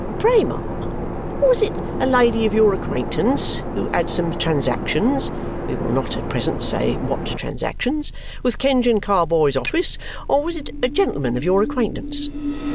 Pray, ma'am, was it a lady of your acquaintance who had some transactions (we will not at present say what transactions) with Kenge and Carboy's office, or was it a gentleman of your acquaintance?